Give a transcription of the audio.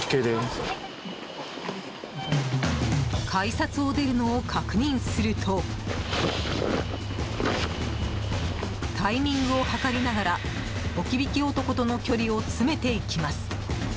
改札を出るのを確認するとタイミングを計りながら置き引き男との距離を詰めていきます。